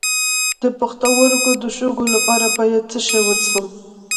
د پښتورګو د شګو لپاره باید څه شی وڅښم؟